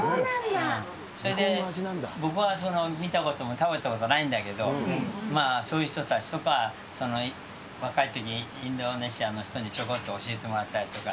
それで僕は見たことも食べたこともないんだけど、そういう人たちとか、若いときにインドネシアの人にちょこっと教えてもらったりとか。